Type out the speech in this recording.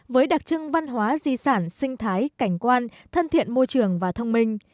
với đặc trưng văn hóa di sản sinh thái cảnh quan thân thiện môi trường và thông minh